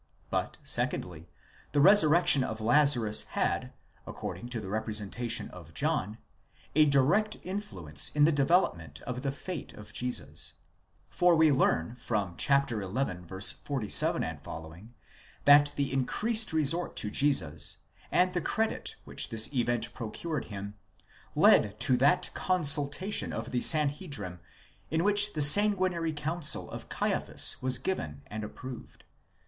But, secondly, the resurrection of Lazarus had, according to the representation of John, a direct influence in the development of the fate of Jesus; for we learn from xi. 47 ff., that the increased resort to Jesus, and the credit which this event procured him, led to that consultation of the Sanhedrim in which the sanguinary counsel of Caiaphas was given and approved.